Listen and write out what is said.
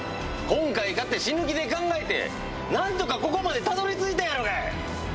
今回かて死ぬ気で考えて何とかここまでたどり着いたんやろがい！